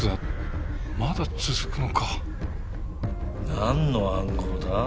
なんの暗号だ？